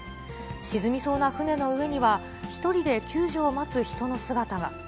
沈みそうな船の上には、１人で救助を待つ人の姿が。